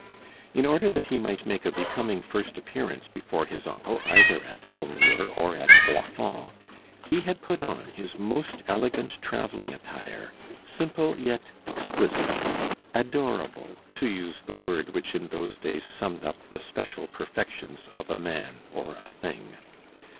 In order that he might make a becoming first appearance before his uncle either at Saumur or at Froidfond, he had put on his most elegant travelling attire, simple yet exquisite, "adorable," to use the word which in those days summed up the special perfections of a man or a thing.